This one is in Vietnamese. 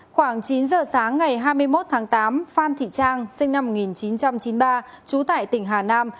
khoảng chín giờ sáng ngày hai mươi một tháng tám phan thị trang sinh năm một nghìn chín trăm chín mươi ba trú tại tỉnh hà nam